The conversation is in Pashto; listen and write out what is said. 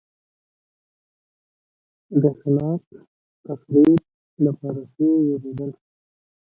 د خلاق تخریب له پروسې وېرېدل.